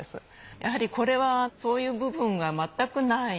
やはりこれはそういう部分がまったくない。